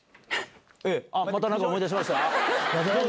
また何か思い出しました？